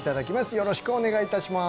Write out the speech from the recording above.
よろしくお願いします